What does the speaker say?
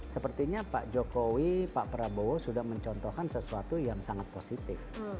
sepertinya pak jokowi pak prabowo sudah mencontohkan sesuatu yang sangat positif